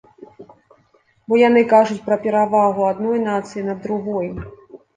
Бо яны кажуць пра перавагу адной нацыі над другой.